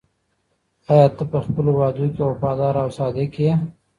آیا ته په خپلو وعدو کې وفادار او صادق یې؟